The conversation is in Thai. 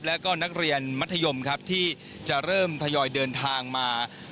แล้วก็นักเรียนมัธยมครับที่จะเริ่มทยอยเดินทางมา